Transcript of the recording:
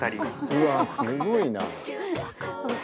うわっすごいな。